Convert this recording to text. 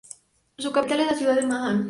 Su capital es la ciudad de Ma'an.